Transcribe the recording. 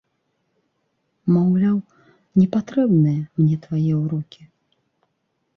Маўляў, не патрэбныя мне твае ўрокі.